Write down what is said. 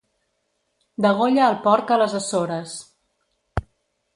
Degolla el porc a les Açores.